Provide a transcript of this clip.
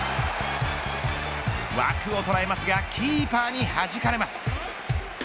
枠をとらえますがキーパーにはじかれます。